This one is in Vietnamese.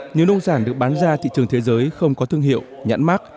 nếu nông sản được bán ra thị trường thế giới không có thương hiệu nhãn mắc